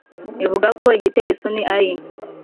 ivuga ko igiteye isoni ari